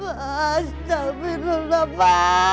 mas tapi lu kenapa